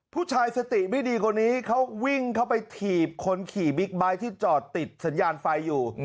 ผู้ชายสติไม่ดีคนนี้เขาวิ่งเข้าไปถีบคนขี่บิ๊กไบท์ที่จอดติดสัญญาณไฟอยู่